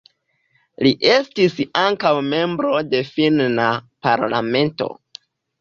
Li estis ankaŭ membro de Finna Parlamento.